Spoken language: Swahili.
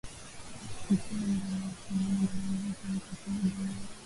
kikanda na ushindani barani huko na kote duniani